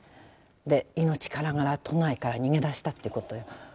で命からがら都内から逃げ出したってことよ。